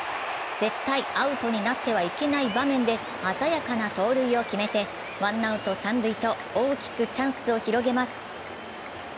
絶対アウトになってはいけない場面で鮮やかな盗塁を決めてワンアウト三塁と大きくチャンスを広げます。